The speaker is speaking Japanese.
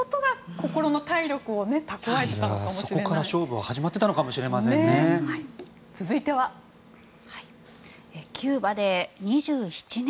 そこから勝負は始まっていたのかもしれないですね。